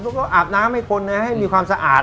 อาบน้ำให้คนนะให้มีความสะอาด